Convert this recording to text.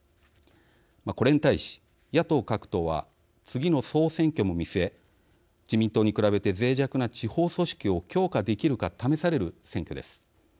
これに対し、野党各党は次の総選挙も見据え自民党に比べてぜい弱な地方組織を強化できるか試される選挙です。